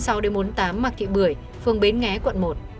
số bốn mươi sáu bốn mươi tám mạc thị bưởi phường bến nghé quận một